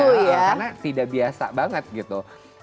karena tidak biasa banget gitu